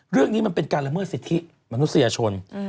เรื่องนี้มันเป็นการละเมิดสิทธิมนุษยชน